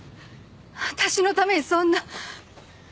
私のためにそんな。